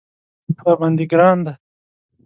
راباندې ګران دی